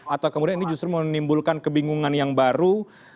atau kemudian ini justru menimbulkan kebingungan yang baru